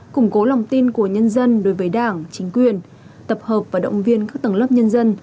củng cố lòng tin của nhân dân đối với đảng chính quyền tập hợp và động viên các tầng lớp nhân dân